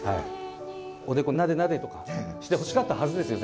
おでこなでなでとかしてほしかったはずですよ。